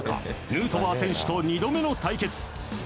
ヌートバー選手と２度目の対決。